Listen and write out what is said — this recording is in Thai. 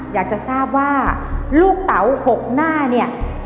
อยากจะทราบว่าลูกเต๋า๖หน้าเนี่ย